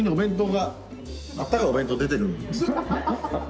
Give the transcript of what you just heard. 温かいお弁当出てるんですよ。